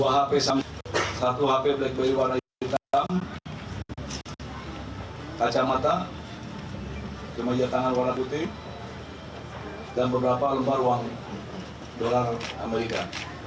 dua hp satu hp blackberg warna hitam kacamata kemeja tangan warna putih dan beberapa lembah uang dolar amerika